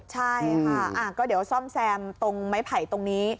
ใช่ค่ะก็เดี๋ยวซ่อมแซมตรงไม้ไผ่ตรงนี้